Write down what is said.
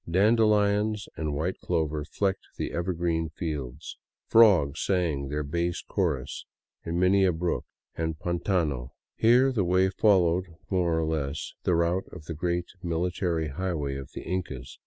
Dandelions and white clover flecked the ever green fields ; frogs sang their bass chorus in many a brook and pdntano. Here the way followed more or less the route of the great military highway of the Incas.